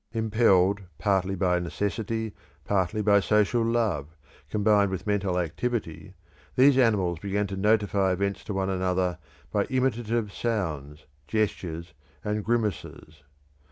Impelled partly by necessity, partly by social love, combined with mental activity, these animals began to notify events to one another by imitative sounds, gestures, and grimaces.